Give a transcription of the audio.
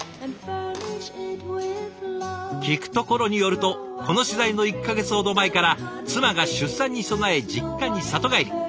聞くところによるとこの取材の１か月ほど前から妻が出産に備え実家に里帰り。